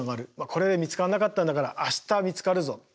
これで見つからなかったんだから明日見つかるぞ。